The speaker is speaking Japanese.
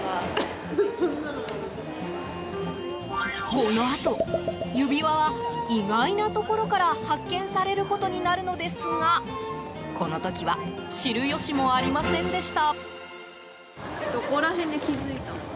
このあと指輪は意外なところから発見されることになるのですがこの時は知る由もありませんでした。